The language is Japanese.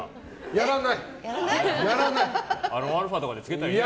やらない！